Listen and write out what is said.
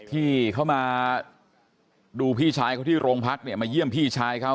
ที่เขามาดูพี่ชายเขาที่โรงพักเนี่ยมาเยี่ยมพี่ชายเขา